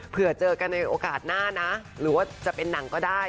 เผื่อเจอกันในโอกาสหน้านะหรือว่าจะเป็นหนังก็ได้